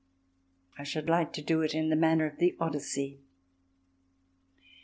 I should like to do it in the manner of the Odyssey